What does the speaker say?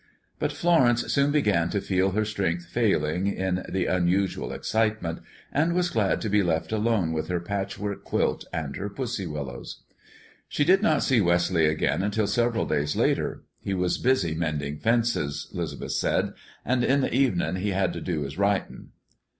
But Florence soon began to feel her strength failing in the unusual excitement, and was glad to be left alone with her patchwork quilt and her pussy willows. She did not see Wesley again until several days later. He was busy mending fences, 'Lisbeth said, "and in the evenin' he had to do his writin'."